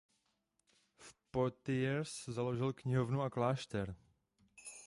V Poitiers založil knihovnu a klášter.